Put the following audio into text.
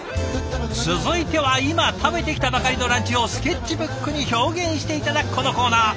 続いては今食べてきたばかりのランチをスケッチブックに表現して頂くこのコーナー。